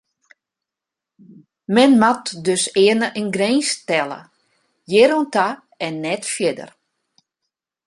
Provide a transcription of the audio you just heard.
Men moat dus earne in grins stelle: hjir oan ta en net fierder.